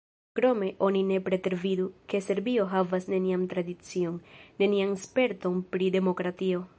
Krome oni ne pretervidu, ke Serbio havas nenian tradicion, nenian sperton pri demokratio.